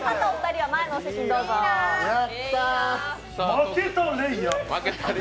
負けたれいあ。